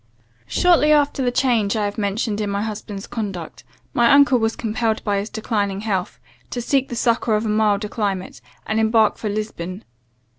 "Shortly after the change I have mentioned in my husband's conduct, my uncle was compelled by his declining health, to seek the succour of a milder climate, and embark for Lisbon.